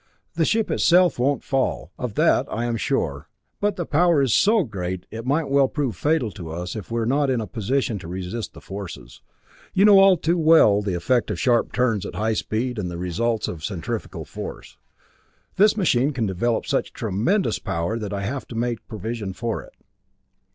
The ship itself won't fall, of that I am sure, but the power is so great it might well prove fatal to us if we are not in a position to resist the forces. You know all too well the effect of sharp turns at high speed and the results of the centrifugal force. This machine can develop such tremendous power that I have to make provision for it.